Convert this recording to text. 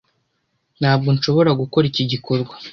Ntabwo nshobora gukora iki gikorwa.